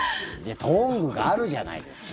トングがあるじゃないですか。